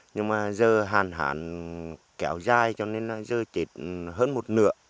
nó dơ hàn hàn kéo dài cho nên dơ chết hơn một nửa